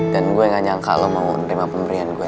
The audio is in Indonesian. gue gak nyangka lo mau nerima pemberian gue